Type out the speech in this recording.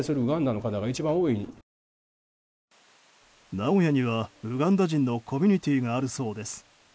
名古屋にはウガンダ人のコミュニティーがあるそうです。